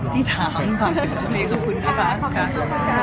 ที่ถามค่ะ